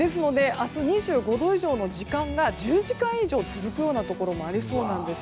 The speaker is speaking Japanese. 明日２５度以上の時間が１０時間以上続くところもありそうです。